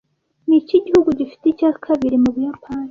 niki gihugu gifite icya kabiri mubuyapani